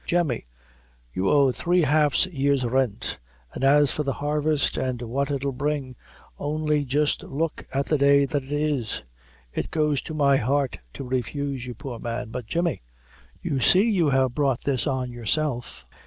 "Jemmy, you owe three half year's, rent; an' as for the harvest an' what it'll bring, only jist look at the day that's in it. It goes to my heart to refuse you, poor man; but Jemmy, you see you have brought this on yourself.